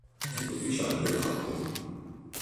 Sito ufficiale dell'album